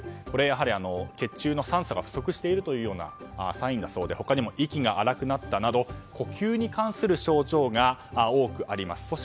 これ、やはり血中の酸素が不足しているというサインだそうで他にも息が荒くなったなど呼吸に関する症状が多くあります。